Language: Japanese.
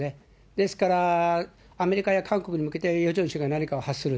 ですからアメリカや韓国に向けて、ヨジョン氏が何かを発する。